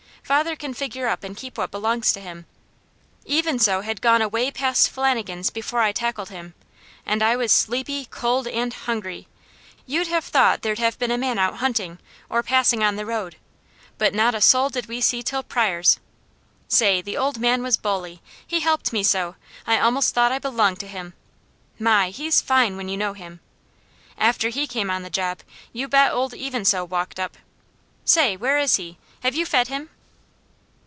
Father can figure up and keep what belongs to him. Even So had gone away past Flannigans' before I tackled him, and I was sleepy, cold, and hungry; you'd have thought there'd have been a man out hunting, or passing on the road, but not a soul did we see 'til Pryors'! Say, the old man was bully! He helped me so, I almost thought I belonged to him! My! he's fine, when you know him! After he came on the job, you bet old Even So walked up. Say, where is he? Have you fed him?"